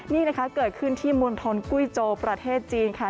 นี่เกิดขึ้นที่มุนทนกุ้ยโจประเทศจีนค่ะ